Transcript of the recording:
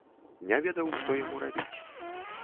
Не ведаў, што яму рабіць.